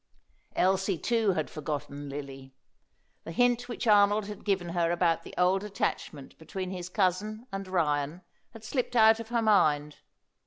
Elsie, too, had forgotten Lily. The hint which Arnold had given her about the old attachment between his cousin and Ryan had slipped out of her mind.